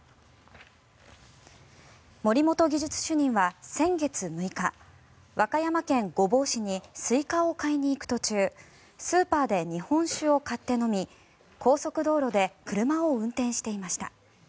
森本技術主任は先月６日和歌山県御坊市にスイカを買いに行く途中スーパーで日本酒を買って飲み高速道路で車を運転していました。